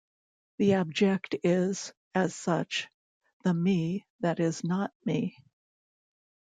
The abject is, as such, the me that is not me.